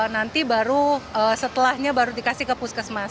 nanti baru setelahnya baru dikasih ke puskesmas